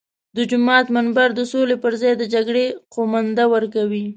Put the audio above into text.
د جومات منبر د سولې پر ځای د جګړې قومانده ورکوي.